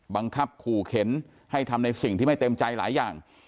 บังคับขู่เข็นให้ทำในสิ่งที่ไม่เต็มใจหลายอย่าง